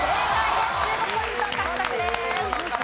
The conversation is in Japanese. １５ポイント獲得です。